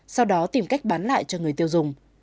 sau đó tìm cách bán lại cho người tiêu dùng